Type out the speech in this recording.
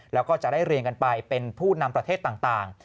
แล้วก็จะได้เรียนกันไปเป็นผู้นำประเทศต่าง